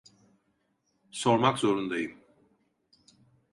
Sormak zorundayım.